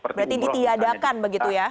berarti ditiadakan begitu ya